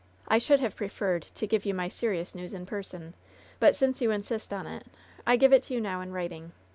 I should have preferred to give you my serious news in person, but since you insist on it, I give it you now in writing.